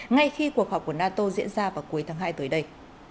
ngay khi cuộc họp của nato diễn ra vào cuối tháng hai tới đây